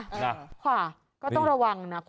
คุณขวาก็ต้องระวังนะ